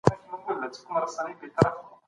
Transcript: خواړه باید له پام سره وخوړل شي.